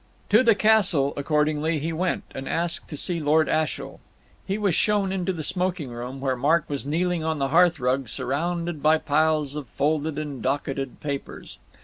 To the castle, accordingly, he went, and asked to see Lord Ashiel. He was shown into the smoking room, where Mark was kneeling on the hearth rug surrounded by piles of folded and docketed papers.